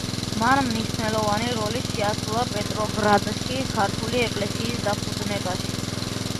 მან მნიშვნელოვანი როლი შეასრულა პეტროგრადში ქართული ეკლესიის დაფუძნებაში.